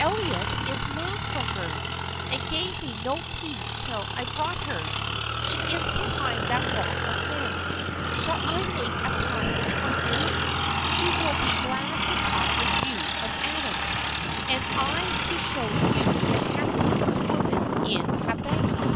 Elyott is mad for her, and gave me no peace till I brought her. She is behind that wall of men; shall I make a passage for you? She will be glad to talk with you of Adam, and I to show you the handsomest woman in Habana."